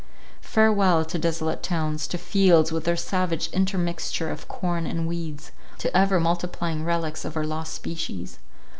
Farewell to desolate towns —to fields with their savage intermixture of corn and weeds—to ever multiplying relics of our lost species.